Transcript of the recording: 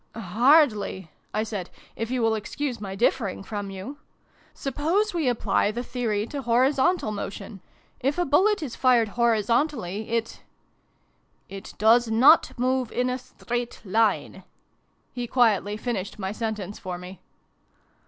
" Hardly," I said :"' if you will excuse my differing from you. Suppose we apply the theory to horizontal motion. If a bullet is fired horizontally, it it does not move in a straight line" he quietly finished my sentence for me.